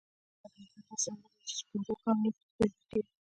افغانستان داسې ملک دې چې سپوره هم نه پکې پیدا کېږي.